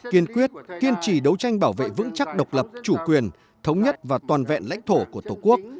kiên quyết kiên trì đấu tranh bảo vệ vững chắc độc lập chủ quyền thống nhất và toàn vẹn lãnh thổ của tổ quốc